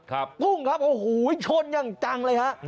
กุ้งครับโอ้โหชนอย่างจังเลยฮะ